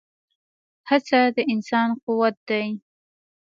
هڅه د انسان قوت دی.